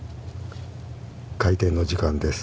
開店の時間です。